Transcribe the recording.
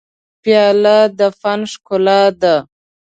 پیاله د فن ښکلا ده.